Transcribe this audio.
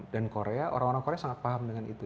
dan orang orang korea sangat paham dengan itu